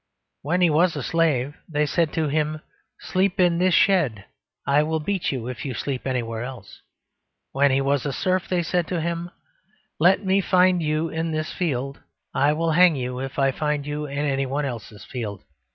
When he was a slave, they said to him, "Sleep in this shed; I will beat you if you sleep anywhere else." When he was a serf, they said to him, "Let me find you in this field: I will hang you if I find you in anyone else's field."